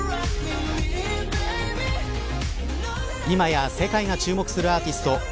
今や世界が注目するアーティスト